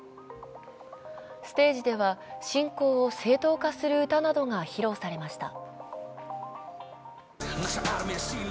ステージでは、侵攻を正当化する歌などが披露されました。